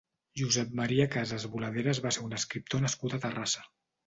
Josep Maria Casas Boladeras va ser un escriptor nascut a Terrassa.